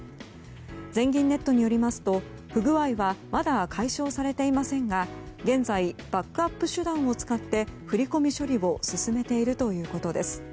全銀ネットによりますと不具合はまだ解消されていませんが現在、バックアップ手段を使って振り込み処理を進めているということです。